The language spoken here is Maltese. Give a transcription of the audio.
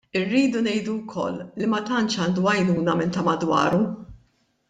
Irridu ngħidu wkoll li ma tantx għandu għajnuna minn ta' madwaru.